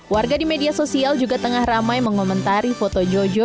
warga di media sosial juga tengah ramai mengomentari foto jojo